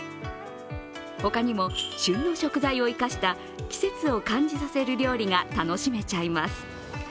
ほかにも、旬の食材を生かした季節を感じさせる料理が楽しめちゃいます。